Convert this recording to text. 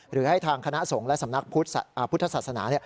หรือให้ทางคณะสงฆ์และสำนักพุทธศาสนา